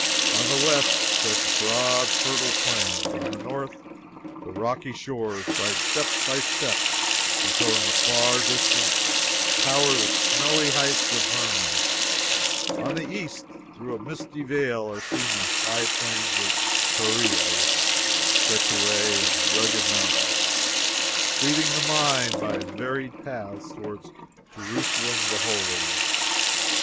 On the west, stretch broad fertile plains; on the north the rocky shores rise step by step until in the far distance tower the snowy heights of Hermon; on the east through a misty veil are seen the high plains of Perea, which stretch away in rugged mountains leading the mind by varied paths toward Jerusalem the Holy.